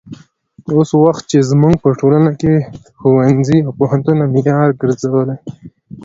اوس وخت کې چې زموږ په ټولنه کې ښوونځي او پوهنتونونه معیار ګرځولي.